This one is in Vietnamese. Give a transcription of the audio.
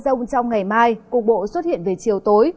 mưa rông trong ngày mai cục bộ xuất hiện về chiều tối